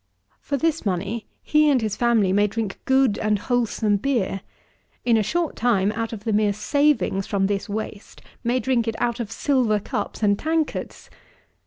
For this money, he and his family may drink good and wholesome beer; in a short time, out of the mere savings from this waste, may drink it out of silver cups and tankards.